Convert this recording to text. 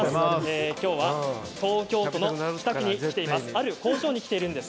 きょうは東京都の北区に来ています。